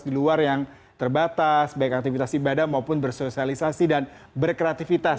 di luar yang terbatas baik aktivitas ibadah maupun bersosialisasi dan berkreativitas